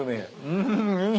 うん。